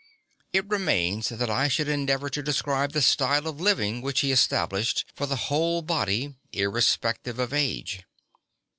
It remains that I should endeavour to describe the style of living which he established for the whole body, irrespective of age.